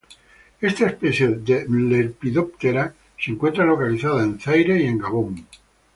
Esta especie de Lepidoptera se encuentra localizada en Zaire y Gabón.